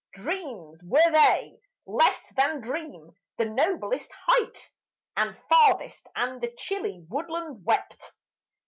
Dreams were they; less than dream, the noblest height And farthest; and the chilly woodland wept.